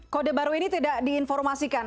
kode baru ini tidak diinformasikan